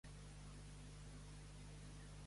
Com es diu Cicreu en grec antic?